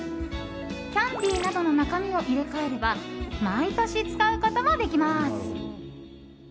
キャンディーなどの中身を入れ替えれば毎年使うこともできます。